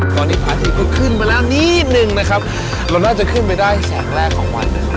ตอนนี้พระอาทิตย์ก็ขึ้นไปแล้วนิดนึงนะครับเราน่าจะขึ้นไปได้แสงแรกของวันหนึ่ง